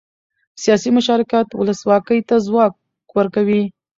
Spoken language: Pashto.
سیاسي مشارکت ولسواکۍ ته ځواک ورکوي